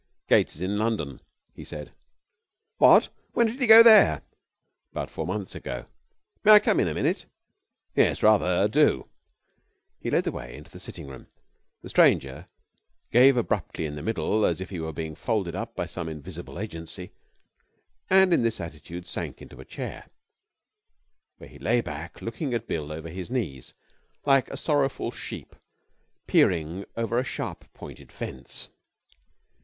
'Gates is in London,' he said. 'What! When did he go there?' 'About four months ago.' 'May I come in a minute?' 'Yes, rather, do.' He led the way into the sitting room. The stranger gave abruptly in the middle, as if he were being folded up by some invisible agency, and in this attitude sank into a chair, where he lay back looking at Bill over his knees, like a sorrowful sheep peering over a sharp pointed fence.